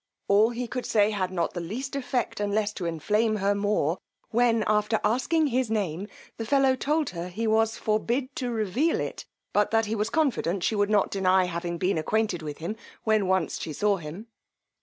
All he could say had not the least effect unless to enflame her more; when, after asking his name, the fellow told her he was forbid to reveal it, but that he was confident she would not deny having been acquainted with him when once she saw him.